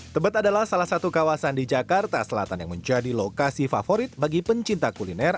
tebet adalah salah satu kawasan di jakarta selatan yang menjadi lokasi favorit bagi pencinta kuliner